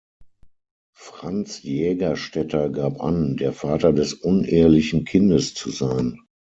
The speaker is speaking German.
Franz Jägerstätter gab an, der Vater des unehelichen Kindes zu sein.